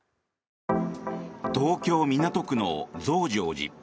東京・港区の増上寺。